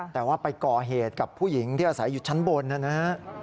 แต่ว่าไปก่อเหตุกับผู้หญิงที่อาศัยอยู่ชั้นบนนะฮะ